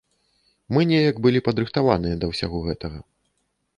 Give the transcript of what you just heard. Мы неяк былі падрыхтаваныя да ўсяго гэтага.